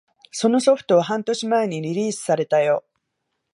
そのソフトは半年前にリリースされたよ